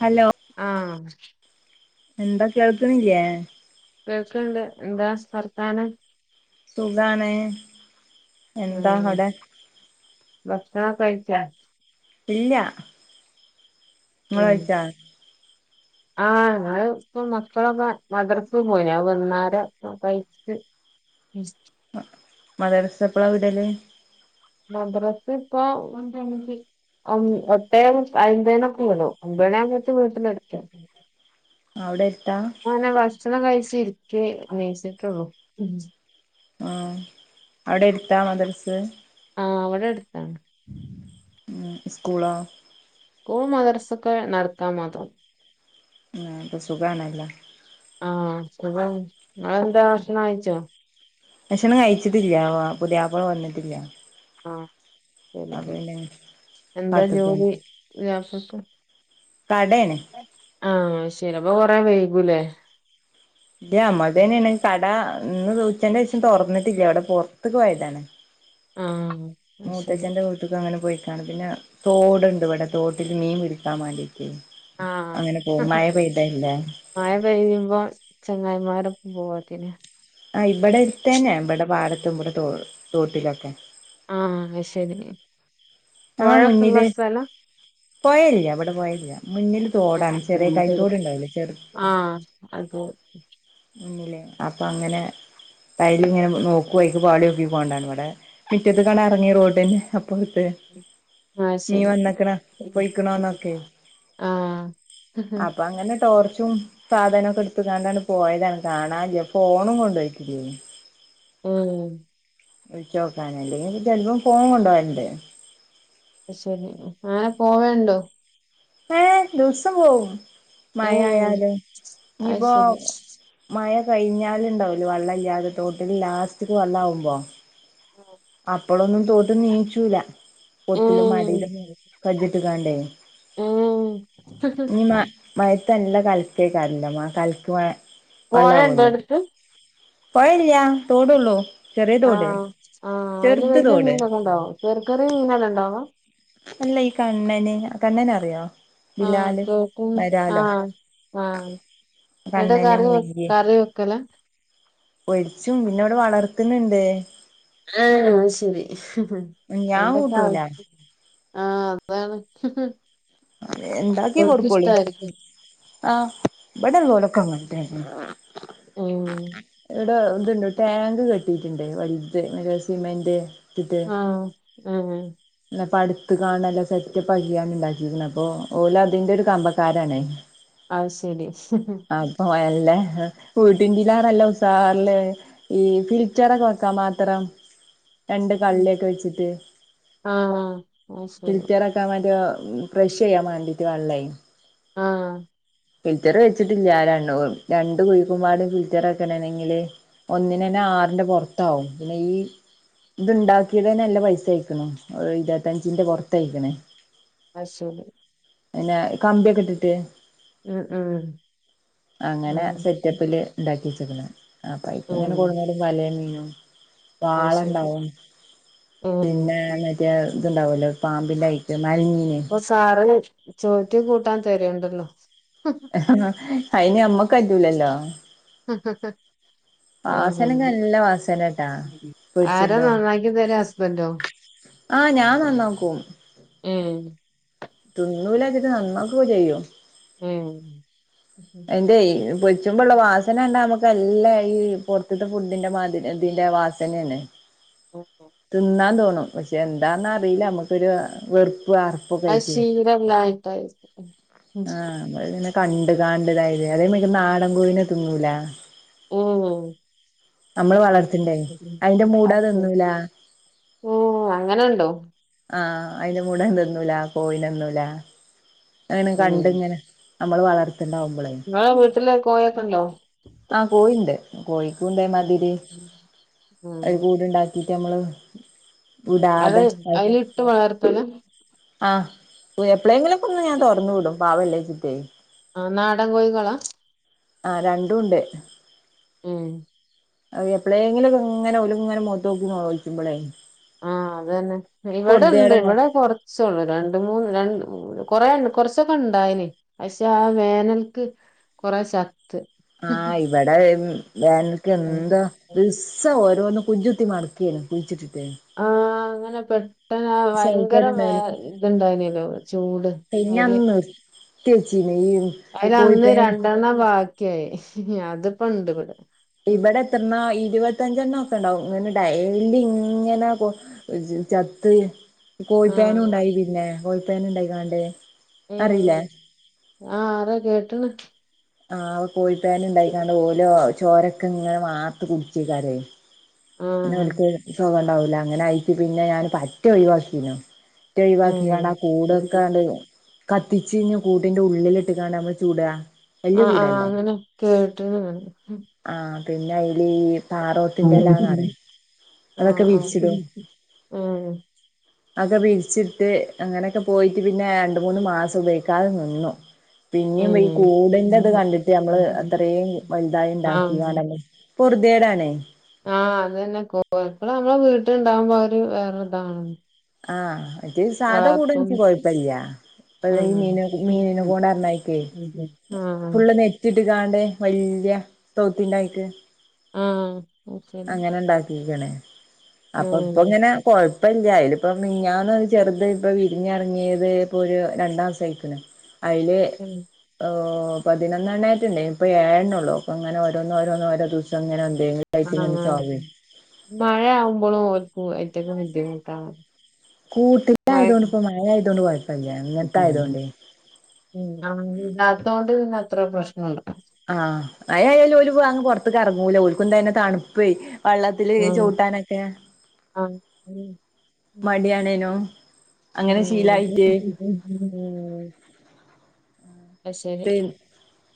Hello ആഹ് എന്താ കേൾക്കണില്ലേ കേൾക്കൺണ്ട് എന്താ വർത്താനം സുഖാണ് എന്താ ഉം അവടെ ബൈചാൻസ് ഇല്ല ഉം മോള്ഴിച്ചാ ആഹ് ങ്ങള് ഇപ്പം മക്കളെ വ വളർത്തും മോനെ [unintelligible] മദരസപ്പഴാ വിടല് മദ്രാസ് ഇപ്പൊ എപ്പഴും അയിന്റെണക്കുപോണം അഞ്ചാണിയാകുമ്പഴത്തേക്ക്‌ വീട്ടിലെത്തണം അവിടെ എടുത്താ ആന ഭക്ഷണം കഴി തിരിച്ചേ നയിസിട്ടുള്ളു ആ അവിടെ എത്താ മദ്രസ് ആഹ് അവിടെ അടുത്താണ് മ് സ്കൂളോ ഓ മദറസൊക്കെ നടത്താൻ മാത്രം മ് അപ്പ സുഖാണല്ലെ ആഹ് സുഖാണ്. നിങ്ങളെന്താ ഭക്ഷണം കഴിച്ചോ? ഭക്ഷണം കഴിച്ചിട്ടില്ല പുതിയാപ്പള വന്നിട്ടില്ല അപ്പൊ [unintelligible] പിന്നെ എന്താ കാത്ത്ക്കാണ് ജോലി രാവിലത്തത്ത തടേന് ചിലപ്പോ കൊറേ വൈകൂലേ ഇല്യാ മ്മളത് തന്നെയാണ് കട ഇന്ന് ഉച്ചേന് ശേഷം തുറന്നിട്ടില്ല അവിട പുറത്തുപോയതാണ്. ആം മൂത്തച്ഛന്റെ വീട്ടുക്ക് അങ്ങനെ പോയി [unintelligible] പിന്നെ തോടുണ്ട് ഇവിടെ തോട്ടില് മീൻ പിടിക്കാൻ വേണ്ടി ആഹ പെയ്തല്ലേ മായ പെയഴയുമ്പോ ചെങ്ങായിമാരും പോോത്തിന്െ ആ ഇവിടെ ഇടുത്തന്നെ ഇവിടെ പാടത്തും ഇവിടെ ത തോട്ടിലൊക്കെ ആഹ ശരി പുഴക്കല്ലസ്തല്ല പോഴല്ല അവിടെ പോഴല്ല ചെറു ആഹ അത മുന്നില്ലേ അപ്പ അങ്ങനെ തൈല ഇങ്ങനെ നോക്കുക്ക് പാളിോക്കി പോണ്ടാണ് ഇവിടെ മുറ്റത് കണ ഇറങ്ങി റോഡിന് ആഹ് നീ ശരി വന്ന പയിക്കണോന്നൊക്കെ ആഹ് അപ്പൊ അങ്ങനെടോ ും സാധനൊ ഒക്കെ എടുക്കുകാണ്ടാണ് പോയതാണ് കാണാില്ല ഫോണും കൊണ്ടണ്ട്പോക്കില്ല ഉം വിളിച്ചോക്കാണ് ഇല്ലങ്കിൽ ചിലപ്പോ ഫോൺ കൊണ്ടോവാറുണ്ട് അ ശരി അങ്ങനെ പോവണ്ടോ ഏ ദിവസം പോവുംവും മഴ ഏഹ് ആയാാല അത് ഇനിയിപ്പോൊ ശരി മഴ കഴിഞ്ഞാല ഉണ്ടാവല വെള്ളമല്ലാതെ തോട്ടിൽ ലാസ്റ്റ്ക്ക് വെള്ള ആകുമ്പോ ആ അപ്പോളൊന്നും തോതന്ന് നീയിിച്ചൂല പൊത്തില മാടയിലും ഏഹ് കജ് കട്ടുകാണ്ടേ ഏഹ് ന ല്ല കളിക്കേക്കറല്ല ആ കളിക്ക കോഴ ഇണ്ടോ എടുത്ത് പോഴല്ല തോടലോ ആഹ ആഹ് അതില്ിയ തോട് മീനൊക്കെണ്ടോ ചെറക്കറ മീനല്ല ഉണ്ടോ ആഹ അല്ല ഈ കണ്ണന് കണ്ണന അറിയോ ആഹ ബിലാല് കേൾക്കും വരാലോ ആഹ ആഹ എടാ കറി വെ കറി വെക്കല ഒടിച്ചും പിന്നെ അവിടെ വളർത്തുന്നുണ്ട് ആഹ ശരി ഉ ഞാൻ അയിന്റെക്കെ കൂട്ടൂല ആള്യ ആഹ അതാണ് ഹ് ഹ് അത എന്താക്കിയ കൊടുക്കോളി ആ ബടർ ഓട അങ്ങൻതന്നെ ആമ് ഇണ്ട്ോ ടാങ്ക് കെട്ടിട്ടുണ്ട് വലുത് സിമെന്റ് [unintelligible] ട്ട് ആഹ് ഏഹ് പട് എത്ത് കാണല്ലോ സെറ്റ് [unintelligible] അപ്പൊ ഓലോ അതിന്റെ ഒരു കമ്പക്കാരാണേ അ ശരി ശരി അല്ലേ വീട്ടിനെജിനർ ഉസാറില് ഈ ഫിൽറ്ററക്കെ വെക്കാൻ മാത്രം രണ്ട് ഉം കള്ളിയൊക്കെ വെച്ചിട്ട് ആഹ് അത് ശരി പിൽറ്റാരേക്കാൻ വാണ്ടി ആ ഫ്രഷ് ചെയ്യാൻ മാണ്ടിയിട്ട് വള്ള ആ ഫിൽറ്റർ വെച്ചിട്ടില്ല ആ രണ്ടു കുഴിക്കുമ്പാടും ഫിൽറ്റർക്കണണെങ്കില് ഒന്നിന തന്നെ ആറിന്റെ പുറത്താവും ഈ ഇത്ണ്ടാക്കിയത്ന്നെ നല്ല പൈസയക്കണ ഇരുപത്തഞ്ചിന്റെ പുറത്തക്കണേ അ ശരി പിന്നെ കമ്പിയൊക്കെ ഇട്ടിട്ട് ഉം ഉം അങ്ങനെ ആഹ് സെറ്റപ്പില് ഉണ്ടാക്കി കണ് ആ പൈപ്പ ഇങ്ങനെ ഉം കൊടുടും വലയയും മീനോ അത് ശരി വാളുണ്ടാവും ഉം പിന്നെ മറ്റേ ഇതുണ്ടാവുമലോ പാമ്പിന്റെയിട്ടും മലഞീൻ ഇപ്പൊ സാറ് ചോറ്റ് കൂട്ടാൻ തരണ്ടല്ലോ ഹന അയ്ന് അമ്മ മക്കെ റ്റൂലല്ലോ വാസന ഉം നല്ല വാസനട്ടാ ആരാ പെര്ച്ചുമ്പോ നന്നാക്കി തരാ ഹസ്ബൻഡോ ആ ഞാൻ നന്നാക്കും ഉം തുന്നുല്ലച്ചിട്ട് നന്നാക്കക്കെചെയ്യോ ഉം എന്റെ പൊച്ചുമ്പള്ള വാസനണ്ട നമ്മുക്ക് തല്ല ഈ പുർത്ത്ത്തെ ഫുഡിന്റെ മാതി ഇതിന്റെ വാസനയാണ് തിന്നാ തോന്നും പക്ഷെ എന്താന്ന അറിയില്ല നമുക്കൊരു വെറു അ ഷീല ലായിട്ടായി ആഹ് നമ്മള് ഇങ്ങനെ കണ്ട് ദാണ്ട് ദായിലെ അതേമായിരിക് നാടം കോഴിനെ തിനൂലേ ഓ വളർത്തണ്ടേ അതിന്റെ മൂട തിന്നൂല അങ്ങനെണ്ടോ ആഹ് അതിന്റെ മുട എന്തന്നുംല കോയിനന്നുംല അങ്ങന കണ്ടിങ്ങനെ നമ്മള് വളർച്ച നിങ്ങെ വീട്ടില പോയക്കണ്ടോ ആഹ് കോഴിണ്ട് കോഴിക്കും ഇതേ മതിരി ഉം. ഒര് കൂട്ണ്ടാക്ക എന്നിട്ട് നമ്മള് വിടാതെ അതിൽ ഇട്ട് വളർത്തന ആ എപ്പോഴെങ്കിലും അന്ന് ഞാൻ തുറന്നു വിടു പാവല്ലേ ചിറ്റേ ആ നാടൻ കോഴികളാ ആ രണ്ടുംണ്ട് ഉം അതെ എപ്പഴെങ്കിലുംക്കെ ഇങ്ങെഓലും ഇങ്ങനെ മോത്ത് നോക്കിമ്പോളേ ആഹ് അത് തന്നെ ഇവിടെ ഉണ്ട് ഇവിടെ കൊറച്ചള്ളു രണ്ട് മൂന്ന് രണ്ട് കൊറെ കൊറച്ചൊക്കെ ഉണ്ടായന് പക്ഷെ ആ വേനൽക്ക് കൊറെ ച ആഹ് ഇവിടെ എനക്ക് എന്താ ദിവസം ഓരോന്നും കുഞ്ചുത്തി മടക്കുകയാണ് കുഴിച്ചിട്ട അതെ അതെ പെട്ടന്ന് ട്ട ഭയങ്കര വേ ഇത്ണ്ടായിനല്ലോ ചൂട് പിന്നെ അതില് അന്ന് നിർത്തി വെച്ചീനു ഈ അതിൽ അന്ന് കോഴിപ്പേന രണ്ടെണ്ണം ബി അതിപ്പ ഉണ്ട്വിടെ ഇവിടെ എത്രണ ഇരുപത്തഞ്ചെണ്ണം ഒക്കെ ഉണ്ടാവും ഇങ്ങനെ ഡെലി ഇങ്ങനെ കൊ ചത്ത് കോഴിപേൻ ആഹ് ഉണ്ടായി പിന്ന കോഴ പേൻ ഉണ്ടായി ഉം ആഹ അത കേട്ട ത [unintelligible] ആ് കോഴിപെൻ ഉണ്ടായി ഓലോ ചോരക്ക നിങ്ങ വാത്ത കുടിച്ചക്കാരേ പിന്നെ ആഹ് വിളിക്ക സുഖംണ്ടാവ അങ്ങനെ ആയിച്ച പിന്നെ ഞാൻ പറ്റ ഒഴിവാക്കു റ്റഴിവാക്കിതാണ് ആ ഏഹ് കൂട നിക്കാണ്ട്. കത്തിച്ച് കയിഞ്ഞ കൂടിന്റെ ഉള്ളിലിട്ട് കാണമ്പ ചൂടാ. ആ ആഹ് അങ്ങനെ കേട്ടിന്ന് ഞാന്. ആഹ് പിന്നെ അയില് പാറോത്തിന്റെലാന്നറിം [unintelligible] ആ അതൊക്കെ ആ വിരിച്ചിടും [unintelligible] ആ ഒക്കെ വിരിച്ചിട്ട് അങ്ങനെയൊക്കെ പോയിട്ട് പിന്നെ രണ്ട് മൂന്ന് മാസം ഉപയോഗിക്കാതെ നിന്നു. പിന്നെയും ഈ കൂടെ [unintelligible] കണ്ടിട്ട് നമ്മള് അത്രയും വലുതായി ഇണ്ടാക്കിയയാണല്ലേ. പുറദേടാണ്. ആ അത് തന്നെ [inaudible] നമ്മള വീട്ടിലുണ്ടാവുമ്പം ഒര് വേറെ ഒര്താണ്. ആ ഇത് സാധ കൂടെ എനിക്ക് കൊഴപ്പല്ല്യ, ഇപ്പഴ് ഉം ഈ മീനെ മീനിനെ കൊണ്ട് [unintelligible] ആഹ് ഫുള്ള് നെറ്റിട്ട് ഇതാണ്ടെ വല്യ തോത്തിണ്ടായിട്ട് ആ അങ്ങനെ ഉണ്ടാക്കി ക്കണ്. അപ്പോ ഇപ്പോ ഇങ്ങനെ കൊഴ് ഇപ്പല്ല അയില് ഇപ്പം മിനിഞ്ഞാന്ന് ചെറുത് ഇപ്പ വിരിഞ്ഞിറങ്ങിയത് ഇപ്പോ ഒരു രണ്ടാം സം ആയിരിക്ക്ണ്. അയിന് ഉം ഓ ഓഹ് പതിനൊന്നണ്ണായിട്ടുണ്ടേ ഇപ്പൊ ഏയണ്ണെള്ളൂ ഇപ്പങ്ങന ഓരോന്നോരോ ദിവസംങ്ങനെ എന്തെ ആഹ് ആഹ് മഴ ആവുമ്പോളും ഓൾ ഓഹ് ഐറ്റിക്ക് ബുദ്ധിമുട്ടാവും കൂട്ടിലായതോണ്ട് ഇപ്പ മഴ ആയതൊണ്ട് കുഴപ്പില്ല ഇങ്ങനത്തൊയതൊണ്ടേ ആഹ് ഇല്ലാത്തോണ്ട് പിന്നെ അത്ര പ്രശ്ന ആഹ് മയായാലും ഒരു അങ് പുറത്തേക്ക് ഇറങ്ങൂല ക്കു തന്നെ തണുപ്പേ വള്ളത്തില് ആഹ് ചവിട്ടാനൊക്കെ ആഹ് ഉം മടിയണേനോ അങ്ങനെ ഉം. ശീലായിട്ട് അത് ശരി പി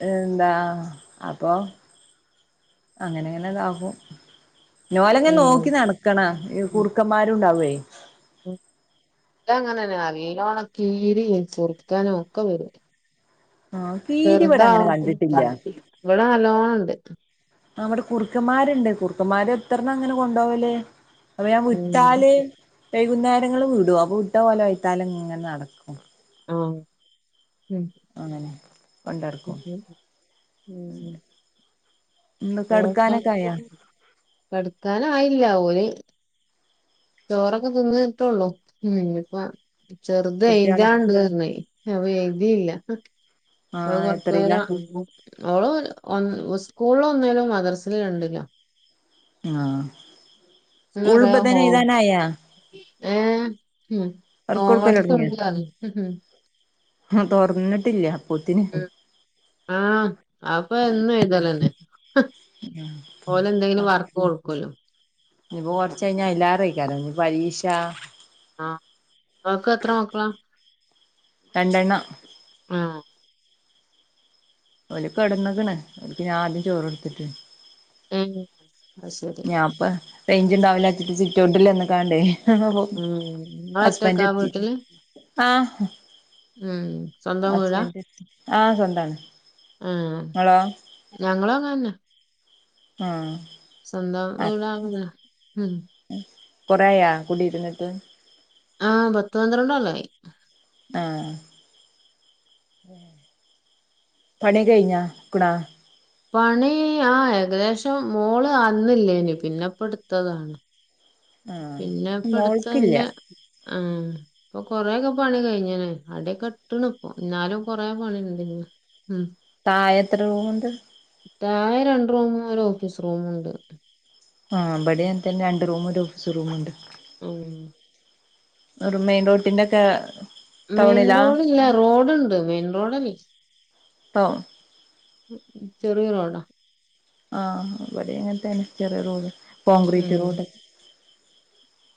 എന്താ അപ്പൊ അങ്ങനെങ്ങനെ ഇതാകും ഞോലങ്ങെ ഉം നോക്കി നടക്കണ ഈ കുർക്കന്മാരുണ്ടാവേ വെയിലോണ കീരി കുർക്കനും ഒക്കെ വരും ആഹ് കീരി ഇവിടെ വെറുതാ അങ്ങനെ കണ്ടിട്ടില്ല ഇവിടെ നല്ലോണണ്ട് നമ്മടെ കുറുക്കന്മാരുണ്ട് കുറുക്കന്മാര് എത്രണം അങ്ങനെ കൊണ്ടവല് അപ്പൊ ഞാൻ വിട്ടാല് കുന്നേരങ്ങള്ല് വിടൊ അപ്പൊ വ്ട്ട ഓലെ വൈത്താലങ്ങനെ നടക്കും ആഹ് ഉം അങ്ങനെ ഉ കൊണ്ടടക്കും ഉ ഉം ഉ ഇന്ന് ആ കെടക്കാനൊക്കെ ആയാ കട്ക്കാനായില്ല ഓല് ചോറൊക്കെ തിന്ന് ട്ടൊള്ളൂ ഉം ഞ്ഞ്പ്പം ചെർത് കുട്ടികളെ എഴുതാണ്ടർഞ്ഞെ അപ്പൊ എഴുതീല്ല ഓക്കെ അവള് ആഹ് എത്രയിലാ കൊർച്ചേരം അവള് സ് കൂളൊ ഒന്നാലും മദ്രസില് രണ്ടിലാ ആഹ് സ്കൂൾ പറയാ ഇപ്പതനെ ഹോം എഴുതാനായ ഏഹ് ഉം ഹോവർക്കൊണ്ട് [unintelligible] ആഹ് തൊർന്നിട്ടില്ല ആ അപ്പ എന്നും ഇതലന്നെ പോലെ എന്തെങ്കിലും വർക്ക് കൊടുക്കൂലോ. ഇനിപ്പോ കൊറച്ച് കഴിഞ്ഞ [unintelligible] ഇനി പരീക്ഷ ആ അനക്ക് എത്ര മക്കള. രണ്ടെണ്ണം. ആഹ ഓലക്ക് കെടന്നക്കണ്, ഒലക്ക് ഞാൻ ആദ്യം ചോറ് കൊടുത്തിട്ട്. ഉം ഞാ ഇപ്പ റെയ്ഞ്ചും ഉണ്ടാവില്ല, സിറ്റ് സിറ്റ് ഔട്ടില് നിക്കാണ്ടേ. ഉം ഹസ്ബൻഡ് നിങ്ങളൊറ്റക്കാ എത്തി. വീട്ടില് അ ഉം സ്വന്തം വീടാ? ആ സ്വന്താണ്. ആ ഇങ്ങളോ ഞങ്ങളു അങ്ങനന്നെ. ആ സ്വന്തം വീടാകുന്നേ ഉം കൊറയാ കുടി ഇരുന്നിട്ട്. ആഹ് പത്ത് പന്ത്രണ്ട്‌ ല്ലായി ആഹ് പണി കഴിഞ്ഞ പണി ആ ഏകദേശം മോള് അന്നില്ലേനി പിന്ന ഇപ്പെടുത്തതാണ് ആഹ് മോൾക്കില്ല ആ ഇപ്പൊ കൊറെക്കെ പണി കഴിഞ്ഞന അടക്കെ ഇട്ടണ ഇപ്പ എന്നാ ലും കൊറേ പണിയുണ്ടി ന്ന് ഉം താഴെ എത്രറൂമുണ്ട് ആകെ രണ്ട് റൂമു ഒരു ഓഫീസ് റൂമുണ്ട് ആ് ബടെ തന്നെ രണ്ട് റൂം ഓഫീ റൂമുണ്ട് ഉം ഒരു മെയിൻറോടി ന്റെക്കെ മെയിൻ റോഡ് ഇല്ല റോഡുണ്ട് മെയിൻ റോഡല്ലേ പ്പോ ചെറിയറോഡാ ആഹ് അവടെ അങ്ങനതന്നെ ചെറിയ റോഡാ കോൺക്രീറ്റ് ഉം റോഡ്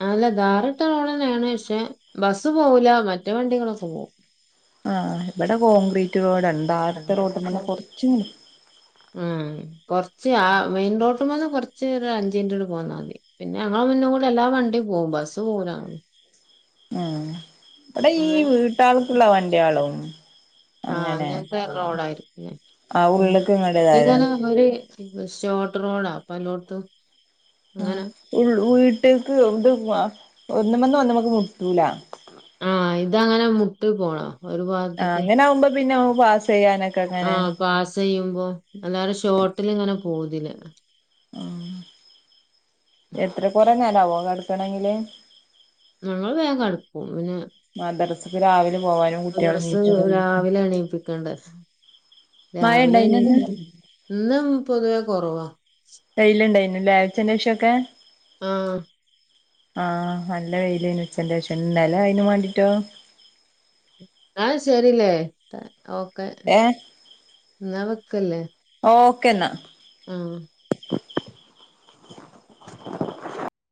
അല്ല ടാറിട്ട റോടു തന്നെയാണ് പക്ഷെ ബസ്സ് പോവുല മറ്റു വണ്ടികളൊക്കെ പോവും ആഹ് ഇവിടെ കോൺക്രീറ്റ് റോഡ ഉം കൊറച്ച് ആ മെയിൻറോട്ട് മന്ന് കൊറച്ച് ചെറ അഞ്ചു മിനിട്ട് കൊണ്ട് പോന്നാൽ മതി പിന്നെ ഞങ്ങളെ വീടിനു മുന്നേ കൂടെ എല്ലാ വണ്ടി പോകും ബസ്സ് പോകില്ല ആ അവിടെ ഈ വീട്ടുകാർ ക്കുള്ള വണ്ടിയാളും ആ അങ്ങനെ അങ്ങനത്തെ റോഡായിരിക്കും അല്ലേ? ആ ഉള്ളേക്ക് ഇങ്ങടതായത ഷോർട് റോഡാ അപ്പൊ ല്ലോടത്തും ആഹ് ഉള്ളു മുട്ടക്ക് ഇത് ഒന്ന് [unintelligible] നമ്മക്ക് മുട്ടൂല അതങ്ങനെ മുക്കിൽ പോണോ ആ അങ്ങനെ ആകുമ്പോ പിന്നെ ഫാസ് ആ പാസ് ചെയ്യുമ്പോ എന്നാലും ഷോർട്ടിൽ ഇങ്ങനെ പോന്നില്ല ഉം എത്ര പേരെ വോ കടുക്കണെങ്കില് ഞമ്മൾ വേഗം അടുക്കും പിന്നെ മദ്രസ രാവിലെ പോവാനും കുട്ട്യാള് നീച്ചും [unintelligible] രാവിലെ എണീപ്പിക്കണ്ട മഴ രാവിലെ ഇണ്ടായിനന്ന് എണീക്കണ്ടേ ഇന്നും പൊതുവേ കുറവ കയ്യിൽ ഇണ്ടായി ഒരു ആഴച്ന്റെ ശേഷക്കെ ആഹ് ആഹ് നല്ല വെയില്ന് ഉച്ചന്റെശേഷം ഇന്നലെ അയ്‌നുമാണ്ടിട്ടോ എന്നാ ശരില്ലേ ഓക്കെ ഏഹ് ന്നാ വെക്കല്ലേ ഒക്കെന്ന ആഹ് [unintelligible]